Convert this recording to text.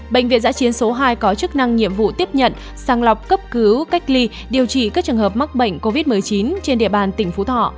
bệnh viện giã chiến số hai có chức năng nhiệm vụ tiếp nhận sàng lọc cấp cứu cách ly điều trị các trường hợp mắc bệnh covid một mươi chín trên địa bàn tỉnh phú thọ